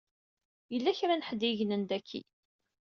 Yella kra n ḥedd i yegnen daki.